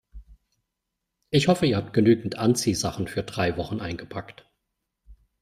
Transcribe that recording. Ich hoffe, ihr habt genügend Anziehsachen für drei Wochen eingepackt.